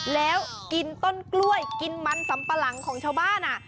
แล้วกินต้นกล้วยกินมันสำปะหลังของชาวบ้าน